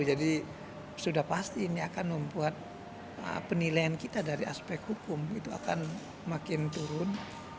jadi sudah pasti ini akan membuat penilaian kita dari aspek hukum itu akan makin turun